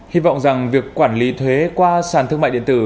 hy vọng rằng việc quản lý thuế qua sàn thương mại điện tử